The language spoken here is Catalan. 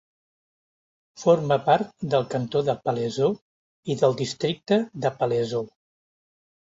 Forma part del cantó de Palaiseau i del districte de Palaiseau.